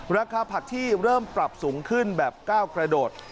ราคาผักที่เริ่มปรับสูงขึ้นแบบก้าวกระโดด